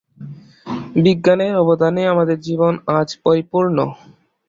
বিজ্ঞানের অবদানে আমাদের জীবন আজ পরিপূর্ণ।